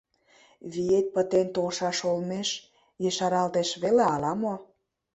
— Виет пытен толшаш олмеш ешаралтеш веле ала-мо?